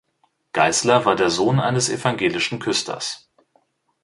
Geißler war der Sohn eines evangelischen Küsters.